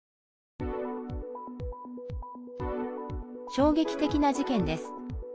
衝撃的な事件です。